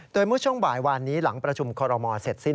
โดยเมื่อช่วงบ่ายวานนี้หลังประชุมคอรมอเสร็จสิ้น